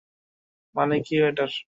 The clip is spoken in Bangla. মানে কী এটার?